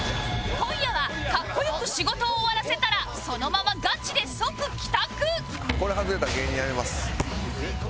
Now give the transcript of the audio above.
今夜は格好良く仕事を終わらせたらそのままガチで即帰宅